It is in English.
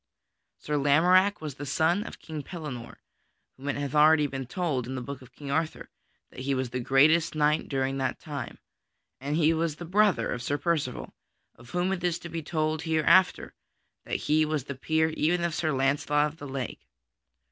Sir Lamorack was the son of King Pellinore, of whom it hath already been told in the Book of King Arthur that he was the greatest knight during that time; and he was the brother of Sir Percival, of whom it is to be told hereinafter that he was the peer even of Sir Launcelot of the Lake.